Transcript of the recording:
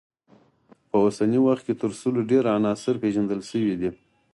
په اوسني وخت کې تر سلو ډیر عناصر پیژندل شوي دي.